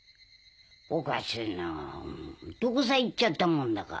おかしいなぁどこさ行っちゃったもんだか。